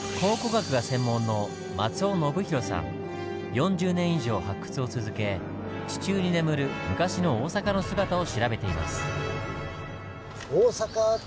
４０年以上発掘を続け地中に眠る昔の大阪の姿を調べています。